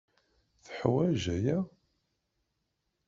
Teḥwaj aya.